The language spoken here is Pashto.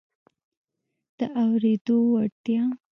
د اورېدو وړتیا